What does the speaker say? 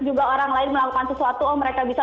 juga orang lain melakukan sesuatu oh mereka bisa